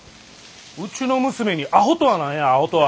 うちの娘にアホとは何やアホとは。